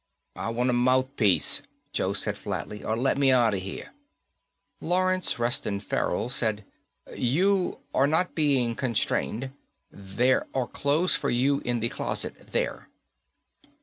"I wanta mouthpiece," Joe said flatly, "or let me outta here." Lawrence Reston Farrell said, "You are not being constrained. There are clothes for you in the closet there."